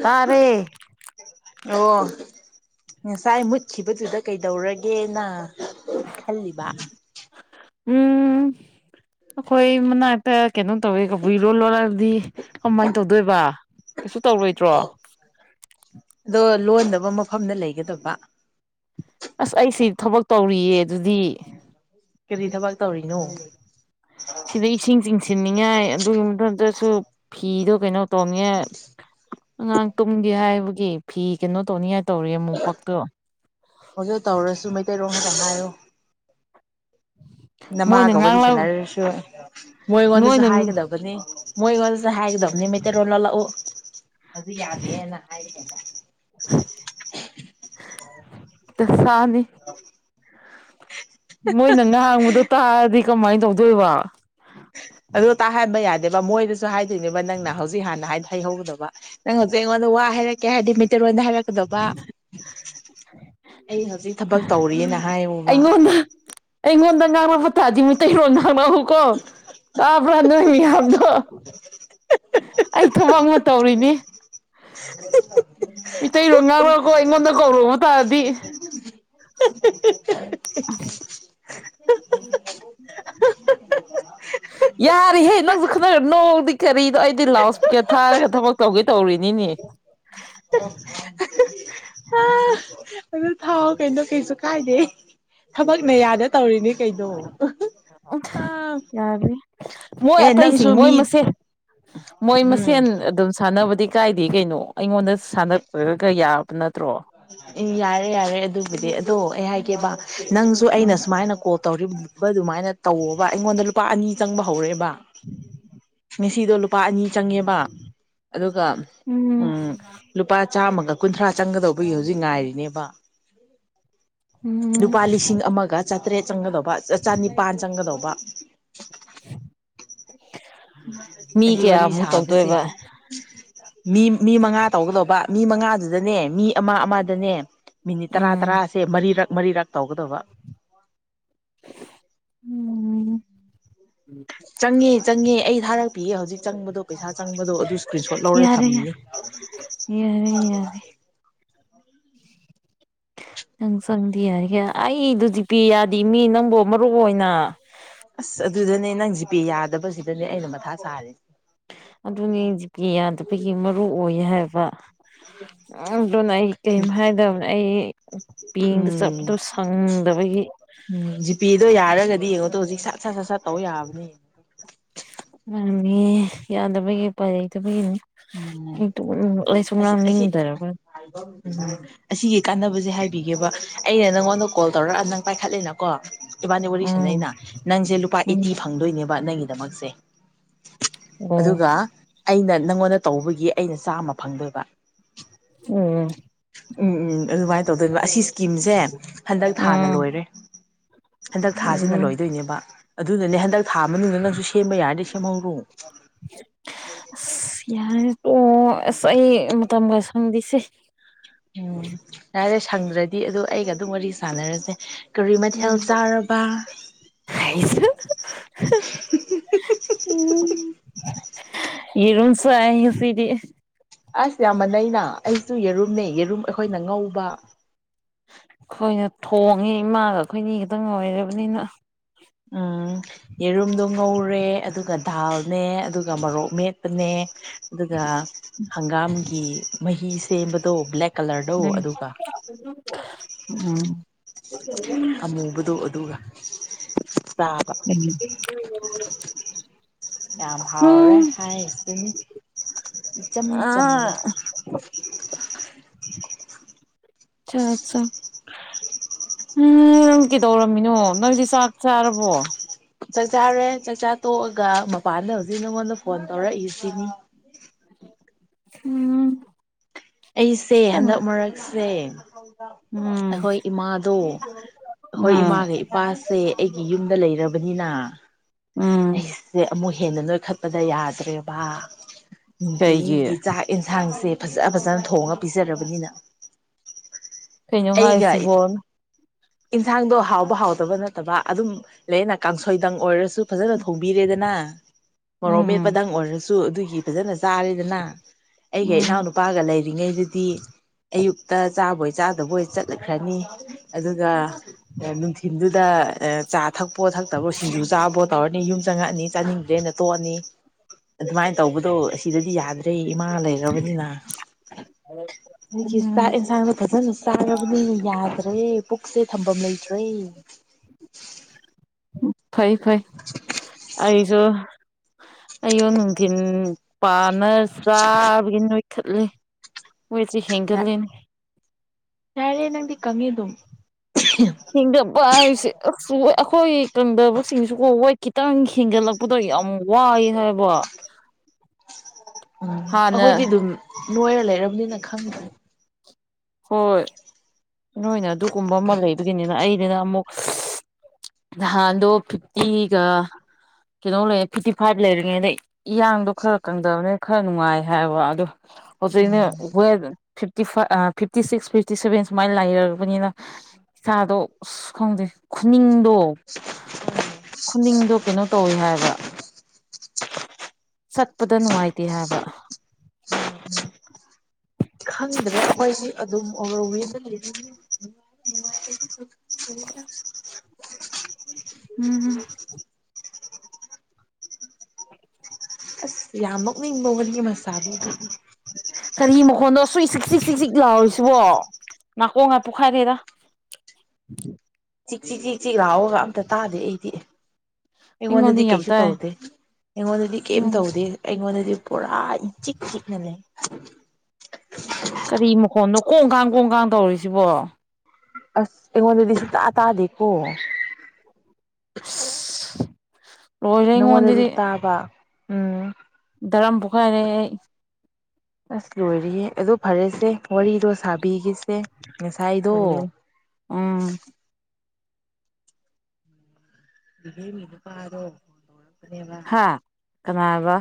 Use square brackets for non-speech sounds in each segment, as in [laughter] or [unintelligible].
ꯇꯥꯔꯦ ꯑꯣ꯫ ꯉꯁꯥꯏ ꯃꯨꯠꯈꯤꯕꯗꯨꯗ ꯀꯩꯗꯧꯔꯒꯦꯅ꯫ ꯈꯜꯂꯤꯕ꯫ ꯎꯝ ꯑꯈꯣꯏ ꯃꯅꯥꯛꯇ ꯀꯩꯅꯣ ꯇꯧꯋꯦ ꯀꯕꯨꯏꯔꯣ ꯂꯣꯔꯕꯗꯤ ꯀꯃꯥꯏꯅ ꯇꯧꯗꯣꯏꯕ ꯀꯩꯁꯨ ꯇꯧꯔꯣꯏꯗ꯭ꯔꯣ꯫ ꯑꯗꯣ ꯂꯣꯟꯗꯕ ꯃꯐꯝꯗ ꯂꯩꯒꯗꯕ꯫ ꯑꯁ ꯑꯩꯁꯤ ꯊꯕꯛ ꯇꯧꯔꯤꯌꯦ ꯑꯗꯨꯗꯤ꯫ ꯀꯔꯤ ꯊꯕꯛ ꯇꯧꯔꯤꯅꯣ꯫ ꯁꯤꯗ ꯏꯁꯤꯡ ꯆꯤꯡꯁꯤꯟꯅꯤ ꯅꯤꯡꯉꯥꯏ ꯑꯗꯨꯒꯤ ꯃꯊꯛꯇꯁꯨ ꯐꯤꯗꯣ ꯀꯩꯅꯣ ꯇꯧꯅꯤꯉꯥꯏ ꯑꯉꯥꯡ ꯇꯨꯝꯒꯦ ꯍꯥꯏꯕꯒꯤ ꯐꯤ ꯀꯩꯅꯣ ꯇꯧꯅꯤꯉꯥꯏ ꯇꯧꯔꯤ ꯃꫭꯝꯄꯛꯇꯣ꯫ ꯍꯧꯖꯤꯛ ꯇꯧꯔꯁꯨ ꯃꯩꯇꯩ ꯔꯣꯡꯑꯒ ꯍꯥꯏꯔꫭ ꯃꯣꯏꯅ ꯅꯃꯥꯒ ꯋꯥꯔꯤ ꯉꯥꯡꯂꯛ ꯁꯥꯟꯅꯔꯁꯨ ꯃꯣꯏ ꯉꯣꯟꯗꯁꯨ ꯃꯣꯏꯅ ꯍꯥꯏꯒꯗꯕꯅꯤ꯫ ꯃꯣꯏꯒ ꯆ ꯍꯥꯏꯒꯗꯝꯅꯤ ꯃꯇꯩ ꯔꯣꯂ ꯂꫭꯜꯂꯛꯎ ꯑꯗꯨ ꯌꯥꯗꯦꯅ ꯍꯥꯏꯔꯛꯑꯦꯗ ꯇ ꯁꯥꯟ [unintelligible] ꯃꯣꯏꯅ ꯉꯥꯡꯕꯗꯨ ꯇꯥꯔꯗꯤ ꯀꯃꯥꯏꯅ ꯇꯧꯗꯣꯏꯕꯥ꯫ ꯇꯦꯕ ꯃꯣꯏꯗꯁꯨ ꯍꯥꯏ ꯅꯤꯕ ꯅꯪꯅ ꯍꯧꯖꯤꯛ ꯍꯥꯟ ꯍꯥꯏ ꯍꯩꯍꯧꯗꯕ ꯅꯪ ꯍꯧꯖꯤꯛ ꯑꯩꯉꯣꯟꯗ ꯋꯥ ꯍꯥꯏꯔꯛꯀꯦ ꯍꯥꯏꯗꯤ ꯃꯩꯇꯩꯔꫭꯟꯗ ꯍꯥꯏꯔꯛ ꯀꯗꯕꯥ ꯑꯩ ꯍꯧꯖꯤꯛ ꯊꯕꯛ ꯇꯧꯔꯤꯌꯦꯅ ꯑꯩꯉꯣꯟꯗ ꯑꯩꯉꯣꯟꯗ ꯉꯥꯡ ꯐ ꯇꯥꯗꯤ ꯃꯩꯇꯩꯔꫭꯟꯗ ꯉꯥꯡꯅꯍꯧ ꯀꯣ ꯇꯥꯕ꯭ꯔ ꯅꫭꯏ ꯌꯥꯝꯗꫭ꯫ ꯑꯩ ꯊꯕꯛꯅ ꯇꯧꯔꯤꯅꯤ ꯃꯤꯇꯩꯔꯣꯟ ꯉꯥꯡꯔꯛꯎꯀꯣ ꯑꯩꯉꯣꯟꯗ ꯀꯧꯔꯛꯑꯣ ꯇꯥꯔꯗꯤ꯫ ꯌꯥꯔꯦꯍꯦ ꯅꯪꯁꯨ ꯈꯟꯅꯔ ꯅꯣꯛꯑꯗꯤ ꯀꯔꯤꯗꯣ ꯑꯩꯗꯤ ꯂꯥꯎ ꯁ꯭ꯄꯤꯀꯔ ꯊꯥꯔꯒ ꯊꯕꯛ ꯇꯧꯒꯦ ꯇꯧꯔꯤꯅꯤꯅꯦ꯫ ꯑ ꯑꯗꯨ ꯊꯥꯎ ꯀꯩꯅꯣ ꯀꯩꯁꯨ ꯀꯥꯏꯗꯦ ꯊꯕꯛꯅꯌꯥꯗ ꯑꯥ ꯌꯥꯔꯦ ꯃꯣꯏ ꯑꯦ ꯅꯪꯁꯨ ꯑꯇꯩꯁꯤꯡ ꯃꯣꯏ ꯃꯤ ꯃꯁꯦꯟ ꯃꯣꯏ ꯎꯝ ꯃꯁꯦꯟ ꯑꯗꯨꯝ ꯁꯥꯟꯅꯕ ꯗꯤ ꯀꯥꯏꯗ ꯀꯩꯅꯣ ꯑꯩꯉꯣꯟꯗ ꯁꯅ ꯄꯔꯒ ꯌꯥ ꯅ ꯎꯝ ꯌꯥꯔꯦ ꯌꯥꯔꯦ ꯑꯗꯨꯕꯨꯗꯤ ꯑꯗꯣ ꯑꯩ ꯀꯕꯥ ꯅꯪꯁꯨ ꯑꯩꯅ ꯁꯨꯃꯥꯏꯅ ꯀꯣ ꯇꯧꯔꯤꯕ ꯑꯗꯨꯃꯥꯏꯅ ꯇꯧꯕ ꯑꯩꯉꯣꯟꯗ ꯂꯨꯄꯥ ꯑꯅꯤ ꯆꯪꯕ ꯍꯧꯔꯛꯦꯕ ꯉꯁꯤꯗꯣ ꯂꯨꯄꯥ ꯑꯅꯤ ꯆꯪꯉꯦꯕ ꯑꯗꯨꯒ ꯎꯝ ꯂꯨꯄꯥ ꯆꯥꯝꯃꯒ ꯀꯨꯟꯊ꯭ꯔꯥ ꯆꯪꯒꯗꯧ ꯑꯩꯒꯤ ꯍꯧꯖꯤꯛ ꯉꯥꯏꯔꯤꯅꯦꯕ ꯎꯝ ꯂꯨꯄꯥ ꯂꯤꯁꯤꯡ ꯑꯃꯒ ꯆꯥꯇ꯭ꯔꯦꯠ ꯆꯪꯒꯗꯧꯕ ꯆꯅꯤꯄꯥꯟ ꯆꯪꯒꯗꯧꯕ ꯃꯤ ꯑꯁꯤ ꯋꯥꯔꯤ ꯀꯌꯥꯃꯨꯛ ꯁꯥꯕꯁꯦ ꯇꯧꯗꯣꯏꯕ ꯃꯤ ꯃꯤ ꯃꯉꯥ ꯇꯧꯒꯗꯧꯕ ꯃꯤ ꯃꯉꯥꯗꯨꯗꯅꯦ ꯃꯤ ꯑꯃꯥ ꯑꯃꯗꯅꯦ ꯃꯤꯅꯤꯠ ꯇꯔꯥ ꯎꯝ ꯇꯔꯥꯁꯦ ꯃꯔꯤꯔꯛ ꯃꯔꯤꯔꯥꯛ ꯇꯧꯒꯗꯕ ꯎꯝ ꯆꯪꯉꯦ ꯆꯪꯉꯦ ꯑꯩ ꯊꯥꯔꯛꯄꯤꯑ ꯍꯧꯖꯤꯛ ꯆꯪꯕꯗꯣ ꯄꯩꯁꯥ ꯆꯪꯕꯗꯣ ꯑꯗꯨ ꯏꯁꯀ꯭ꯔꯤꯟ ꯁꯣꯠ ꯂꯧꯔꯦ ꯌꯥꯔꯦ ꯊꯝꯃꯤꯅꯤ ꯌꯥꯔꯦ ꯌꯥꯔꯦ ꯅꯪ ꯆꯪꯗꯤ ꯌꯤꯔꯦ ꯑꯩꯗꯨꯗꯤ ꯖꯤꯄꯦ ꯌꯥꯗꯤ ꯃꯤ ꯅꯪꯕꯨ ꯃꯔꯨ ꯑꯣꯏꯅ ꯑꯁ ꯑꯗꯨꯗꯅꯦ ꯅꯪ ꯖꯤꯄꯦ ꯌꯥꯗꯕꯁꯤꯗꯅꯦ ꯑꯩꯅ ꯃꯊꯥ ꯁꯥꯔꯤꯁꯦ ꯑꯗꯨꯅꯦ ꯖꯤꯄꯦ ꯌꯥꯗꯕꯒꯤ ꯃꯔꯨ ꯑꯣꯏ ꯍꯥꯏꯕ ꯑꯗꯨꯅ ꯑꯩ ꯀꯩꯝ ꯍꯥꯏꯗꯕꯅꯦ ꯑꯩ ꯕꯦꯡꯗ ꯎꯝ ꯆꯠꯄꯗꯣ ꯁꯪꯗꯕꯒꯤ ꯎꯝ ꯖꯤꯄꯦꯗꯣ ꯌꯥꯔꯒꯗꯤ ꯌꯦꯡꯉꯣ ꯇꯣ ꯍꯧꯖꯤꯛ ꯁꯠ ꯁꯠ ꯁꯠ ꯁꯠ ꯇꯧ ꯌꯥꯕꯅꯦ ꯃꯥꯅꯦ ꯌꯥꯗꯕꯒꯤ ꯄꯥꯏ ꯂꯩꯩꯇꯕꯒꯤꯅꯤ ꯎꯝ ꯑꯁꯤ ꯉꯥꯡꯅꯤꯡꯗꯔꯕ ꯎꯝ ꯑꯁꯤꯒꯤ ꯀꯥꯟꯅꯕꯁꯦ ꯍꯥꯏꯕꯤꯒꯦꯕ ꯑꯩꯅ ꯅꯪꯉꯣꯟꯗ ꯀꯣꯜ ꯇꯧꯔꯛꯑ ꯅꯪ ꯄꯥꯏꯈꯠꯂꯤꯅꯀꯣ ꯏꯕꯥꯅꯤ ꯋꯥꯔꯤ ꯎꯝ ꯁꯥꯅꯩꯅ ꯅꯪꯁꯦ ꯂꯨꯄꯥ ꯎꯝ ꯑꯩꯠꯇꯤ ꯐꯪꯗꯣꯏꯅꯦꯕ ꯕꯠ ꯅꯪꯒꯤꯗꯃꯛꯁꯦ ꯑꯣ ꯑꯗꯨꯒ ꯑꯩꯅ ꯅꯪꯉꯣꯟꯗ ꯇꯧꯕꯒꯤ ꯑꯩꯅ ꯆꯥꯝꯃ ꯐꯪꯗꯣꯏꯕ ꯎꯝ ꯎꯝ ꯎꯝ ꯑꯗꯨꯃꯥꯏꯅ ꯇꯧꯗꯣꯏ ꯑꯁꯤ ꯏꯁꯀꯤꯝꯁꯦ ꯍꯟꯗꯛ ꯊꯥꯅ ꯎꯝ ꯂꯣꯏꯔꯦ ꯍꯟꯗꯛ ꯊꯥꯁꯤꯅ ꯎꯝ ꯂꯣꯏꯗꯣꯏꯅꯦꯕ ꯑꯗꯨꯅꯅꯦ ꯍꯟꯗꯛ ꯊꯥ ꯃꯅꯨꯡꯗ ꯅꯪꯁꯨ ꯁꯦꯝꯕ ꯌꯥꯔꯗꯤ ꯁꯦꯝꯍꯧꯔꯣ ꯌꯥꯏ ꯑꯣ ꯑꯁ ꯑꯩ ꯃꯇꯝ ꯈꯔ ꯁꯪꯗꯁꯦ ꯎꯝ ꯌꯥꯔꯦ ꯁꯪꯗ꯭ꯔꯗꯤ ꯑꯗꯨ ꯑꯩꯒ ꯑꯗꯨꯝ ꯋꯥꯔꯤ ꯁꯥꯟꯅꯔꯁꯦ ꯀꯔꯤ ꯃꯊꯦꯜ ꯎꯝ ꯆꯥꯔꯕ ꯎꯝ ꯌꯦꯔꯨꯝ ꯆꯥꯏ ꯉꯥꯁꯤꯗꯤ ꯑꯁ ꯌꯥꯝꯃꯅꯩꯅ ꯑꯩꯁꯨ ꯌꯦꯔꯨꯝꯅꯦ ꯌꯦꯔꯨꯝ ꯑꯩꯈꯣꯏꯅ ꯉꯧꯕ ꯑꯩꯈꯣꯏꯅ ꯊꯣꯡꯉꯦ ꯏꯃꯥꯒ ꯑꯩꯈꯣꯏꯅꯤ ꯈꯛꯇꯪ ꯂꯣꯏꯔꯕꯅꯤꯅ ꯎꯝ ꯌꯦꯔꯨꯝꯗꯣ ꯉꯧꯔꯦ ꯑꯗꯨꯒ ꯗꯥꯜꯅꯦ ꯑꯗꯨꯒ ꯃꯣꯔꯣꯛ ꯃꯦꯠꯄꯅꯦ ꯑꯗꯨꯒ ꯍꯪꯒꯥꯝꯒꯤ ꯃꯍꯤ ꯁꯦꯝꯕꯗꯣ ꯕ꯭ꯂꯦꯛ ꯀꯂꯔꯗꯣ ꯑꯗꯨꯒ ꯎꯝ ꯎꯝ ꯑꯃꯨꯕꯗꯣ ꯑꯗꯨꯒ ꯆꯥꯕ ꯌꯥꯝ ꯍꯥꯎꯔꯦ ꯎꯝ ꯍꯥꯏꯔꯤꯁꯤꯅꯤ ꯏꯆꯝ ꯆꯝꯅ ꯑ [inaudible] ꯑ ꯑ ꯎꯝ ꯅꯪ ꯀꯩꯗꯧꯔꯝꯃꯤꯅꯣ ꯅꯪꯗꯤ ꯆꯥꯛ ꯆꯥꯔꯕꯣ ꯆꯥꯛꯆꯥꯔꯦ ꯆꯥꯛꯆꯥ ꯇꯣꯛꯑꯒ ꯃꯄꯥꯟꯗ ꯍꯧꯖꯤꯛ ꯅꯉꯣꯟꯗ ꯐꯣꯟ ꯇꯧꯔꯛꯏꯁꯤꯅꯤ ꯎꯝ ꯑꯩꯁꯦ ꯈꯪ ꯍꯟꯗꯛ ꯃꯔꯛꯁꯦ [unintelligible] ꯎꯝ ꯑꯩꯈꯣꯏ ꯏꯃꯥꯗꯣ ꯑꯩꯈꯣꯏ ꯎꯝ ꯏꯃꯥꯒ ꯏꯄꯥꯁꯦ ꯑꯩꯒꯤ ꯌꯨꯝꯗ ꯂꯩꯔꯕ ꯕꯅꯤꯅ ꯎꯝ [unintelligible] ꯑꯃꯨꯛ ꯍꯦꯟꯅ ꯂꯣꯏꯈꯠꯄꯗ ꯌꯥꯗ꯭ꯔꯦꯕ ꯅꯨꯡꯇꯤꯒꯤ ꯀꯩꯒꯤ ꯆꯥꯛ ꯌꯦꯟꯁꯥꯡꯁꯦ ꯐꯖꯥ ꯐꯖꯅ ꯊꯣꯡꯉ ꯄꯤꯖꯔꯕꯅꯤꯅ ꯀꯩꯅꫭ ꯑꯩꯒ ꯍꯥꯏꯁꯤꯕꫭ ꯏꯟꯁꯥꯡꯗꯣ ꯍꯥꯎꯕ ꯍꯥꯎꯇꯕ ꯅꯠꯇꯕ ꯑꯗꯨꯝ ꯂꯩꯗꯅ ꯀꯥꯡꯁꯣꯏꯗꯪ ꯑꯣꯏꯔꯁꯨ ꯐꯖꯅ ꯊꯣꯡꯕꯤꯔꯦꯗꯅ ꯃꯣꯔꯣꯛ ꯎꯝ ꯃꯦꯠꯄꯗꯪ ꯑꯣꯏꯔꯁꯨ ꯑꯗꯨꯒꯤ ꯐꯖꯅ ꯆꯥꯔꯤꯗꯅ ꯑꯩꯒ ꯎꯝ ꯏꯅꯥꯎꯅꯨꯄꯥꯒ ꯂꯩ ꯇꯔꯤꯉꯩꯗꯗꯤ ꯑꯌꯨꯛꯇ ꯆꯥꯕꯣꯏ ꯆꯥꯗꯕꯣꯏ ꯆꯠꯂꯈ꯭ꯔꯅꯤ ꯑꯗꯨꯒ ꯅꯨꯡꯊꯤꯟꯗꯨꯗ ꯆꯥ ꯊꯛꯄꯣ ꯊꯛꯇꯕꯣ ꯁꯤꯡꯖꯨ ꯆꯥꯕꯣ ꯇꯧꯔꯅꯤ ꯌꯨꯝ ꯆꯪꯉꯛꯑꯅꯤ ꯆꯥꯅꯤꯡꯗ꯭ꯔꯦꯅ ꯇꯣꯛꯅꯤ ꯑꯗꯨꯃꯥꯏꯅ ꯇꯧꯕꯗꯣ ꯑꯁꯤꯗꯗꯤ ꯌꯥꯗ꯭ꯔꯦ ꯏꯃꯥ ꯂꯩꯔꯕꯅꯤꯅ ꯥ ꯅꯤꯀꯤꯁ ꯇꯥꯛ ꯎꯝ ꯏꯟꯁꯥꯟꯗꫭ ꯐꯖꯅ ꯆꯥꯔꯕꯅꯤꯅ ꯌꯥꯗ꯭ꯔꯦ ꯄꯨꯛꯁꯦ ꯊꯝꯐꯝ ꯂꯩꯇ꯭ꯔꯦ꯫ ꯐꯩ ꯐꯩ ꯑꯩꯁꯨ ꯑꯌꯨꯛ ꯅꯨꯡꯊꯤꯟ ꯄꯥ ꯅ ꯆꯥꯕꯒꯤ ꯅꫭꯏ ꯊꯠꯂꯤ ꯃꯣꯏꯁꯤ ꯍꯦꯟꯒꯠ ꯂꯦꯅꯦ ꯌꯥꯔꯦ ꯅꯪꯗꯤ ꯀꯪꯑꯦ ꯑꯗꯨꯝ꯫ [unintelligible] ꯍꯦꯡꯒꯠꯄ ꯍꯥꯏꯁꯦ ꯎ ꯆꯨꯏ ꯑꯈꯣꯏ ꯀꯪꯗꯕꯁꯤꯡꯁꯨ ꯀꯣ ꯋꯦꯠ ꯈꯤꯇꯪ ꯍꯦꯟꯒꯠꯂꯛꯄꯗꯣ ꯌꯥꯝ ꯋꯥꯏ ꯍꯥꯏꯕ ꯍꯥꯟꯅ ꯅꯤꯅ ꯈꯥꯡ ꯍꯣꯏ꯫ ꯅꯣꯏꯅ ꯑꯗꯨꯒꯨꯝꯕ ꯑꯃ ꯂꯩꯕꯒꯤꯅꯤꯅ ꯑꯩ ꯑꯗꯨꯅ ꯑꯃꯨꯛ ꯅꯍꯥꯟꯗꯣ ꯐꯤꯐꯇꯤꯒ ꯀꯩꯅꯣ ꯂꯩ ꯐꯤꯐꯇꯤ ꯐꯥꯏꯚ ꯂꯩꯔꯤꯉꯩꯗ ꯏꯌꯥꯡꯗꯣ ꯈꯔ ꯀꯪꯗꯕꯅꯤ ꯈꯔ ꯅꯨꯡꯉꯥꯏ ꯍꯥꯏꯕ ꯑꯗꯣ ꯍꯧꯖꯤꯛꯅꯦ ꯋꯦꯠ ꯐꯤꯞꯇꯤ ꯐꯥ uh fifty six fifty seven ꯁꯨꯃꯥꯏꯅ ꯂꯥꯏꯔꯕꯅꯤꯅ ꯏꯁꯥꯗꯣ ꯑꯁ ꯈꯪꯗꯦ ꯈꯨꯅꯤꯡꯗꯣ ꯈꯨꯅꯤꯡꯗꯣ ꯀꯩꯅꯣ ꯇꯧꯋꯤ ꯍꯥꯏꯑꯦꯕ ꯆꯠꯄꯗ ꯅꯨꯡꯉꯥꯏꯇꯦ ꯍꯥꯏꯕ꯫ ꯈꯪꯗ꯭ꯔꯦ ꯑꯩꯈꯣꯏꯁꯤ ꯑꯗꯨꯝ ꯑꯣꯚꯔ ꯋꯦꯠ [inaudible] ꯎꯝ ꯑꯁ ꯌꯥꯝ ꯅꫭꯛꯅꯤꯡꯕ ꯑꯃꯗꯒꯤ ꯃꯁꯥꯕꯧꯗꯤ ꯀꯔꯤ ꯃꯈꯣꯟꯅꫭ ꯁꯨꯛ ꯆꯤꯛ ꯆꯤꯛ ꯆꯤꯛ ꯆꯤꯛ ꯂꯥꯎꯔꯤꯁꯤꯕꯣ ꯅꯥꯀꯣꯡ ꯉꯥ ꯄꯣꯛꯈꯥꯏꯔꯦꯗ꯫ ꯆꯤꯛ ꯆꯤꯛ ꯆꯤꯛ ꯆꯤꯛ ꯂꯥꯑꯣꯕꯒ ꯑꯝꯇ ꯇꯥꯗꯦ ꯑꯩꯗꯤ꯫ ꯑꯩꯉꯣꯟꯗ ꯑꯩꯉꯣꯟꯗꯗꯤ ꯌꯥꯝ ꯀꯩꯁꯨ ꯇꯥꯏ ꯇꯧꯗꯦ ꯑꯩꯉꯣꯟꯗꯗꯤ ꯀꯩꯝ ꯎꯝ ꯇꯧꯗꯦ ꯑꯩꯉꯣꯟꯗꯗꯤ ꯄꯨꯔꯥ ꯏꯆꯤꯛ ꯆꯤꯛꯅ ꯂꯩ꯫ ꯀꯔꯤ ꯃꯈꯣꯟꯅꯣ ꯀꯣꯡ ꯀꯥꯡ ꯀꯣꯡ ꯀꯥꯡ ꯇꯧꯔꯤꯁꯤꯕꯣ ꯑꯁ ꯑꯩꯉꯣꯟꯗꯗꯤ ꯁꯨꯛꯇꯥ ꯇꯥꯗꯦꯀꯣ꯫ ꯑꯁ ꯂꯣꯏꯔꯦ ꯅꯪꯉꯣꯟꯗꯗꯤ ꯑ ꯩꯉꯣꯟꯗꯗꯤ ꯇꯥꯕ ꯎꯝ ꯇꯔꯥꯝ ꯄꯣꯛꯈꯥꯏꯔꯦ ꯑꯩ ꯑꯁ ꯂꯣꯏꯔꯦꯍꯦ ꯑꯗꯨ ꯐꯔꯦꯁꯦ ꯋꯥꯔꯤꯗꯣ ꯁꯥꯕꯤꯒꯦꯁꯦ꯫ ꯃꯁꯥꯏꯗꯣ ꯑꯩ ꯎꯝ [unintelligible] ꯅꯨꯄꯥꯗꫭ [unintelligible] ꯑꯅꯦꯕ꯫ ꯍꯥ ꯀꯅꯥꯕ꯫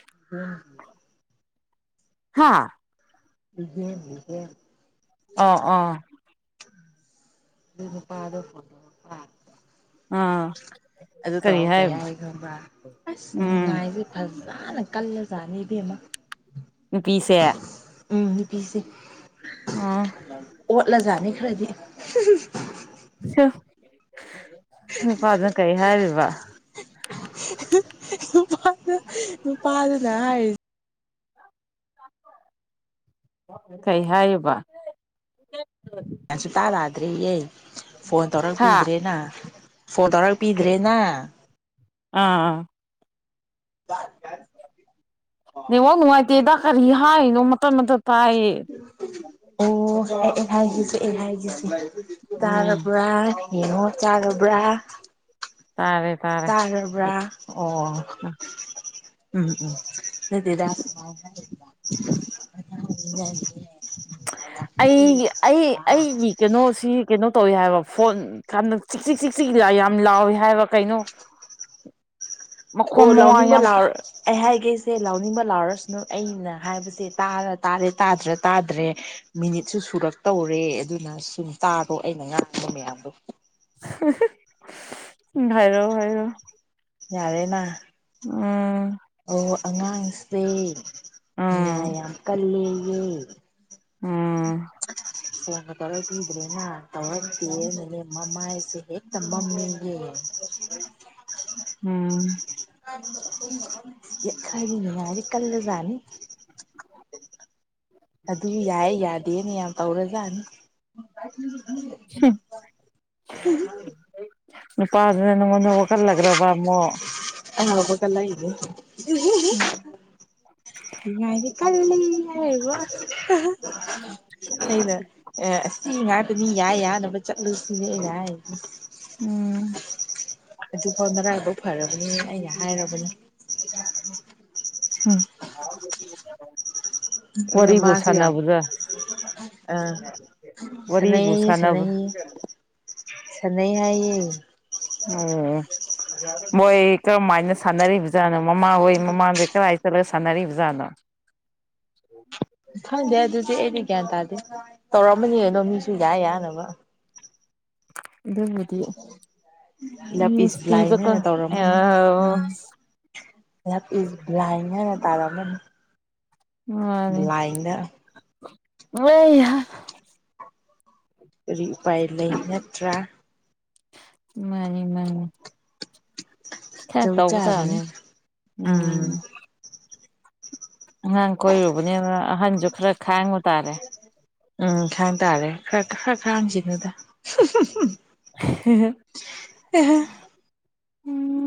[unintelligible] ꯍꯥꯥ꯫ [unintelligible] ꯑ ꯑ꯫ ꯑꯗꯨ ꯅꯨꯄꯥꯗꫭ ꯐꫭꯟ ꯇꯧꯔꯛꯄ꯫ ꯑꯥ ꯑꯗꯨ ꯀꯔꯤ ꯇꯧꯔꯛ ꯀꯩ ꯍꯥꯏꯕ ꯍꯥꯏ ꯈꯕ꯭ꯔꯥ ꯑꯁ ꯎꯝ ꯅꯤꯉꯥꯏꯁꯦ [unintelligible] [unintelligible] ꯀꯜꯂꯖꯥꯠꯅꯤ ꯏꯕꯦꯝꯃꯥ꯫ ꯅꯨꯄꯤꯁꯦ꯫ ꯎꯝ ꯅꯨꯄꯤꯁꯦ꯫ ꯎꯝ [unintelligible] ꯑꯣꯠꯂꯖꯥꯅꯤ ꯈ꯭ꯔꯗꯤ [unintelligible] [unintelligible] ꯅꯨꯄꯥꯗꯨꯅ ꯀꯩ ꯍꯥꯏꯔꯤꯕ꯫ [unintelligible] ꯅꯨꯄꯥꯗꯨꯅ ꯍꯥꯏꯔꯤ꯫ ꯀꯩ ꯍꯥꯏꯔꯤꯕ꯫ ꯁꯨꯛꯇꯥ ꯇꯥꯗ꯭ꯔꯦꯌꯦ ꯐꯣꯟ ꯍꯥ ꯇꯧꯔꯛꯄꯤꯗ꯭ꯔꯦꯅ ꯐꯣꯟ ꯇꯧꯔꯛ ꯄꯤꯗ꯭ꯔꯦꯅ꯫ ꯑꯥ ꯑꯥ꯫ [unintelligible] ꯅꯦꯠꯋꯥꯛ ꯅꯨꯡꯉꯥꯏꯇꯤꯦꯗ ꯈꯔꯤ [unintelligible] [unintelligible] ꯃꯇꯥꯠ ꯃꯇꯥꯠ꯫ ꯇꯥꯏꯌꯦ꯫ ꯑꯣ ꯑꯩ ꯍꯥꯏꯒꯦꯁꯦ ꯑꯩ ꯍꯥꯏꯒꯦꯁꯦ꯫ ꯎꯝ ꯇꯥꯔꯕ꯭ꯔꯥ꯫ ꯌꯦꯉꯣ ꯆꯥꯔꯕ꯭ꯔꯥ꯫ ꯇꯥꯔꯦ ꯇꯥꯔꯦ ꯇꯥꯔꯕ꯭ꯔꯥ ꯑꯣ꯫ ꯎꯝ ꯎꯝ ꯅꯠꯇꯦꯗ [unintelligible] ꯑꯩꯒꯤ ꯑꯩ ꯑꯩꯒꯤ ꯀꯩꯅꯣꯁꯤ ꯀꯩꯅꯣ꯫ ꯇꯧꯏ ꯍꯥꯏꯕ ꯐꯣꯟ ꯌꯥꯝꯂꯥꯎꯋꯤ ꯍꯥꯏꯕ ꯐꯕ ꯆꯤꯛ ꯆꯤꯛ ꯆꯤꯛ ꯆꯤꯛ ꯌꯥꯝ ꯂꯥꯎꯏ ꯍꯥꯏꯕ ꯀꯩꯅꯣ ꯑꯣ ꯃꯈꯣꯟ ꯃꯋꯥ ꯂꯥꯎꯅꯤꯡꯕ ꯌꯥꯝ ꯂꯥꯎꯔꫭ ꯑꯩ ꯍꯥꯏ꯫ ꯒꯦꯁꯦ ꯂꯥꯎꯅꯤꯡꯕ ꯂꯥꯎꯔꯁꯨꯅ ꯑꯩꯅ ꯍꯥꯏꯕꯁꯦ ꯇꯥꯔ ꯇꯥꯔꯦ ꯇꯥꯗ꯭ꯔ ꯇꯥꯗ꯭ꯔꯦ ꯃꯤꯅꯤꯠꯁꯨ ꯁꯨꯔꯛꯇꯧꯔꯦ ꯑꯗꯨꯅ ꯁꯨꯝ ꯇꯥꯔꯣ ꯑꯩꯅ ꯉꯥꯡꯕ ꯃꯌꯥꯝꯗꯣ꯫ [unintelligible] ꯍꯥꯏꯔꯣ ꯍꯥꯏꯔꯣ꯫ ꯌꯥꯔꯦꯅꯥ꯫ ꯎꯝ꯫ ꯑꯣ ꯑꯉꯥꯡꯁꯦ꯫ ꯎꯝ ꯅꯤꯉꯥꯏ ꯌꯥꯝ ꯀꯜꯂꯤ꯫ ꯎꯝ꯫ ꯎꯝ꯫ ꯇꯧꯔꯈꯤꯗ꯭ꯔꯦꯅ ꯇꯧꯔꯛꯇꯤꯌꯦꯅꯅꯦ ꯃꯃꯥꯏꯁꯦ ꯍꯦꯛꯇ ꯃꯝꯃꯦꯌꯦ ꯎꯝ꯫ [unintelligible] ꯍꯥꯏꯗꯤ ꯀꯜꯂꯖꯥꯅꯤ꯫ ꯑꯗꯨ ꯌꯥꯏ ꯌꯥꯗꯦꯅ ꯌꯥꯝ ꯇꯧꯔ ꯖꯅꯤ꯫ [unintelligible] [unintelligible] ꯄꯥꯁꯤꯅ ꯅꯪꯉꯣꯟꯗ ꯋꯥꯈꯜꯂꯈ꯭ꯔꯕ ꯑꯃꯨꯛ [unintelligible] ꯎꯝ [unintelligible] ꯅꯤꯉꯥꯏꯗꯤ ꯀꯜꯂꯤ ꯍꯥꯏꯔꯤꯕ ꯑꯩꯅ ꯁꯤ ꯉꯥꯛꯇꯅꯤ ꯌꯥ ꯌꯥꯅꯕ ꯆꯠꯂꯨꯁꯤꯅꯦ ꯑꯩꯅ ꯍꯥꯏꯔꯤꯖꯦ꯫ ꯎꯝ꯫ ꯑꯗꯨꯐꯥꯎ ꯅꯔꯥꯏꯕꯛ ꯐꯔꯕꯅꯦ ꯑꯩꯅ ꯍꯥꯏꯔꯕꯅꯤ꯫ ꯎꯝ꯫ ꯑꯗꯨꯅ ꯋꯥꯔꯤꯕꯨ ꯃꯥꯁꯨ ꯌꯥꯝ ꯁꯥꯟꯅꯕꯗ ꯑꯥ ꯋꯥꯔꯤꯕꯨ ꯁꯥꯟꯅꯩꯌꯦ ꯁꯥꯟꯅꯕ ꯁꯥꯟꯅꯩꯌꯦ ꯁꯥꯟꯅꯩ ꯍꯥꯏꯌꯦ꯫ ꯑꯣ ꯃꯣꯏ ꯀꯔꯝꯃꯥꯏꯅ ꯁꯥꯟꯅꯔꯤꯕꯖꯥꯠꯅꯣ꯫ ꯃꯃꯥ ꯍꯣꯏ ꯃꯃꯥꯗ ꯀꯔꯥꯏ ꯆꯠꯂ ꯁꯥꯟꯅꯔꯤꯕ꯫ ꯈꯪꯗꯦ ꯑꯗꯨꯗꯤ ꯑꯩꯗꯤ ꯒ꯭ꯌꯥꯟ ꯇꯥꯗꯦ ꯇꯧꯔꯝꯃꯅꯤ ꯑꯗꯣ ꯃꯤꯁꯨ ꯌꯥ ꯌꯥꯅꯕ ꯑꯗꯨꯕꯨꯗꯤ ꯂꯞ ꯏꯁ ꯕ꯭ꯂꯥꯏꯟ ꯍꯥꯏꯅ ꯇꯧꯔꯝꯃꯅꯤ [unintelligible] ꯂꯥꯞ ꯏꯁ ꯕ꯭ꯂꯥꯏꯟ ꯍꯥꯏꯅ ꯇꯥꯔꯝꯃꯅꯤ꯫ ꯃꯅꯤ꯫ ꯕ꯭ꯂꯥꯏꯟꯗ [unintelligible] ꯀꯔꯤ ꯎꯄꯥꯏ ꯂꯩ ꯅꯠꯇ꯭ꯔꯥ꯫ ꯃꯥꯅꯤ ꯃꯥꯅꯤ꯫ ꯈꯔ ꯆꯧ ꯇꯧꯕ ꯆꯥꯕꯅꯤ ꯇꯥꯕꯅꯤꯅꯦ ꯎꯝ꯫ ꯑꯉꯥꯡ ꯀꯣꯏꯔꯨꯕꯅꯦꯕ ꯑꯍꯟ ꯗꯣ ꯈꯔ ꯈꯥꯡꯕ ꯇꯥꯔꯦ꯫ ꯎꯝ ꯈꯥꯡ ꯇꯥꯔꯦ ꯈꯔ ꯈꯔ ꯈꯥꯡꯖꯤꯅꯨꯗ ꯫ ꯑꯦꯍꯦ ꯎꯝ